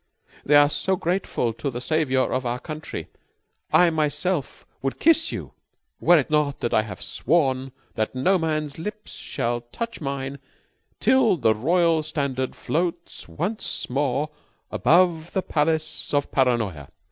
"They are so grateful to the savior of our country. I myself would kiss you, were it not that I have sworn that no man's lips shall touch mine till the royal standard floats once more above the palace of Paranoya.